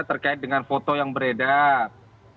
terkait dengan foto yang beredar